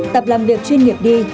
tập làm việc chuyên nghiệp đi